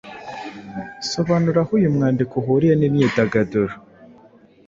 Sobanura aho uyu mwandiko uhuriye n’imyidagaduro.